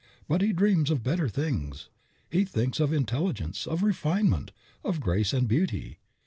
But he dreams of better things; he thinks of intelligence, of refinement, of grace and beauty.